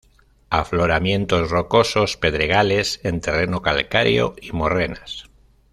Afloramientos rocosos, pedregales, en terreno calcáreo y morrenas.